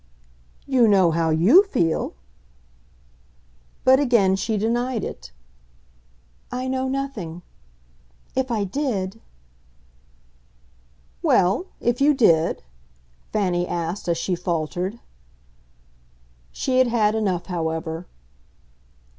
"You know how YOU feel." But again she denied it. "I know nothing. If I did !" "Well, if you did?" Fanny asked as she faltered. She had had enough, however.